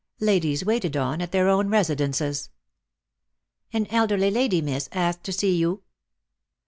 Ladies waited on at their own residences. " An elderly lady, miss, asked to see you.''